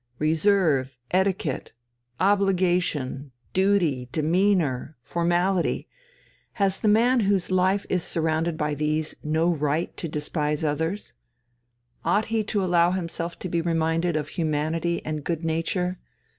Reserve, etiquette, obligation, duty, demeanour, formality has the man whose life is surrounded by these no right to despise others? Ought he to allow himself to be reminded of humanity and good nature?